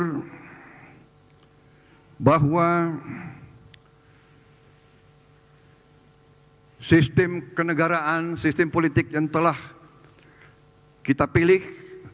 pertama bahwa sistem kenegaraan sistem politik yang telah kita pilih